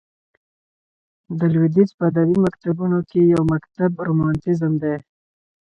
د لوېدیځ په ادبي مکتبونو کښي یو مکتب رومانتیزم دئ.